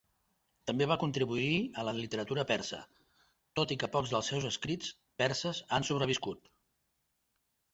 També va contribuir a la literatura persa, tot i que pocs dels seus escrits perses han sobreviscut.